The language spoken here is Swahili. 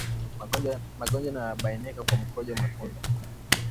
Magonjwa yanayobainika kwa mkojo mwekundu